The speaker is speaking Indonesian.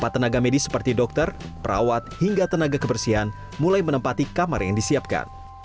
empat tenaga medis seperti dokter perawat hingga tenaga kebersihan mulai menempati kamar yang disiapkan